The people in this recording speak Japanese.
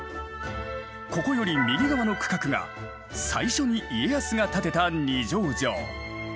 ここより右側の区画が最初に家康が建てた二条城。